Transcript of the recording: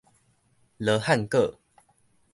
羅漢果